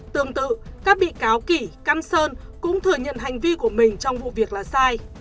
tương tự các bị cáo kỳ căn sơn cũng thừa nhận hành vi của mình trong vụ việc là sai